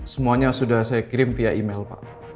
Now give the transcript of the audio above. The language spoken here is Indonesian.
semuanya sudah saya kirim via email pak